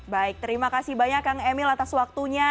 baik terima kasih banyak kang emil atas waktunya